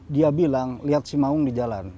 dia bilang liat si maung di jalan